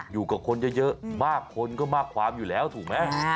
อยู่กับคนเยอะมากคนก็มากความอยู่แล้วถูกไหม